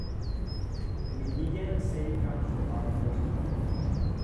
We began saving up for our first home.